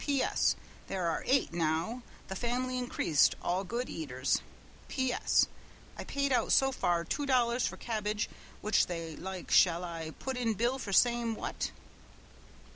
P. S. There are eight now the family increased all good eaters. P. S. I paid out so far two dollars for cabbage which they like shall I put in bill for same what?"